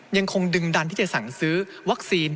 ยังคงดึงดันที่จะสั่งซื้อวัคซีน